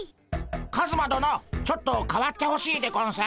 カズマどのちょっと代わってほしいでゴンス。